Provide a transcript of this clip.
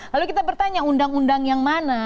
lalu kita bertanya undang undang yang mana